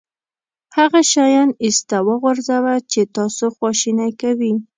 هغه شیان ایسته وغورځوه چې تاسو خواشینی کوي.